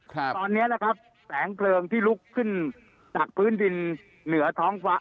ตอนนี้นะครับแสงเพลิงที่ลุกขึ้นจากพื้นดินเหนือท้องฟ้า